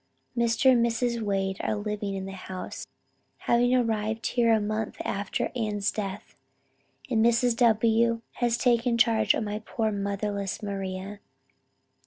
Mr. and Mrs. Wade are living in the house, having arrived here about a month after Ann's death, and Mrs. W. has taken charge of my poor motherless Maria....